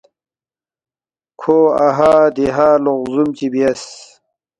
کھو اَہا دیہا لوق زُوم چی بیاس